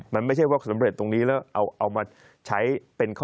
มันไม่ใช่ว่าสำเร็จตรงนี้แล้วเอามาใช้เป็นข้อ